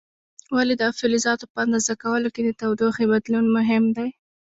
ولې د فلزاتو په اندازه کولو کې د تودوخې بدلون مهم دی؟